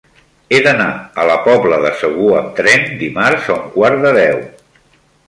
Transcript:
He d'anar a la Pobla de Segur amb tren dimarts a un quart de deu.